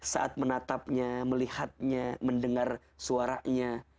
saat menatapnya melihatnya mendengar suaranya